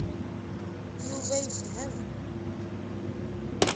Yuba yefhem.